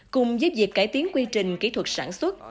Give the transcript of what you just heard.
cùng giúp việc cải tiến quy trình kỹ thuật sản xuất